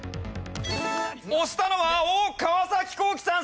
押したのはおっ川皇輝さん。